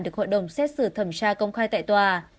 được hội đồng xét xử thẩm tra công khai tại tòa